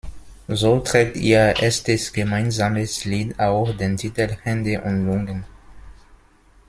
So trägt ihr erstes gemeinsames Lied auch den Titel "Hände und Lungen".